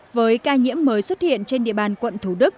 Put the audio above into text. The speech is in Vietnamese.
với ca nhiễm mới xuất hiện trên địa bàn quận thủ đức